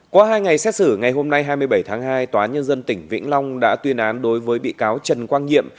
qua hai ngày xét xử ngày hôm nay hai mươi bảy tháng hai tòa nhân dân tỉnh vĩnh long đã tuyên án đối với bị cáo trần quang nhiệm